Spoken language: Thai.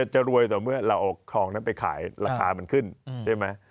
จะรวยต่อเมื่อเราเอาคลองนั้นไปขายราคามันขึ้นใช่ไหม